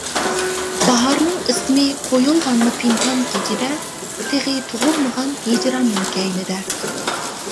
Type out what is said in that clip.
باھارنىڭ ئىسمى قويۇلغانمۇ پىنھان كېچىدە تېخى تۇغۇلمىغان ھىجراننىڭ كەينىدە.